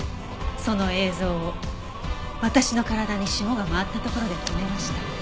その映像を私の体に霜が回ったところで止めました。